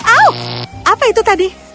au apa itu tadi